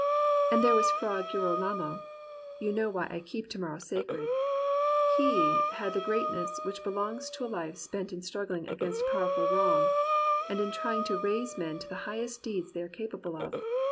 And there was Fra Girolamo — ^you know why I keep to morrow sacred: he had the greatness which belongs to a life spent in struggling against powerful wrong, and in trying to raise men to the highest deeds they are capable of.